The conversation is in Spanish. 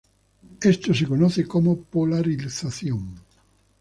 Esto se conoce como polarización.